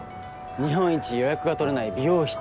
日本一予約が取れない美容室。